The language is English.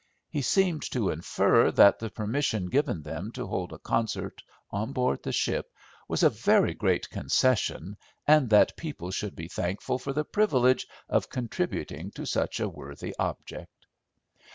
He seemed to infer that the permission given them to hold a concert on board the ship was a very great concession, and that people should be thankful for the privilege of contributing to such a worthy object.